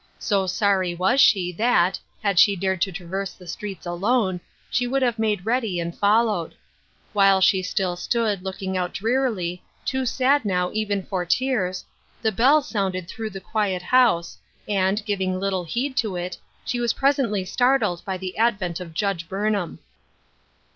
So sorry was she that, had she dared to traverse the streets alone, she would have made ready and followed. While she still stood, looking out drearily, too sad now even for tears, the bell sounded through the quiet house, and, giving little heed to it, she was presently startled by the advent of Judge Burnham.